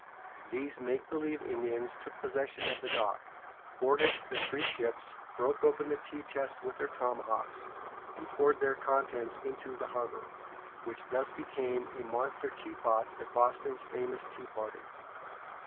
These make believe Indians took possession of the dock, boarded the three ships, broke open the tea chests with their tomahawks, and poured their contents into the harbor, which thus became a monster teapot at Boston's famous Tea Party.